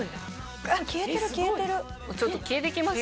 ちょっと消えてきました。